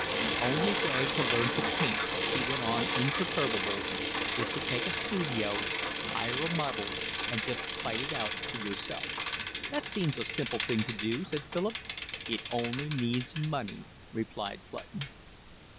"The only way to learn to paint," he went on, imperturbable, "is to take a studio, hire a model, and just fight it out for yourself." "That seems a simple thing to do," said Philip. "It only needs money," replied Clutton.